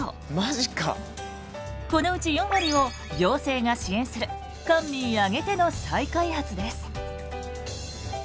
このうち４割を行政が支援する官民挙げての再開発です。